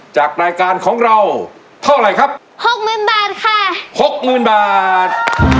จากรายการของเราเท่าไหร่ครับหกหมื่นบาทค่ะหกหมื่นบาท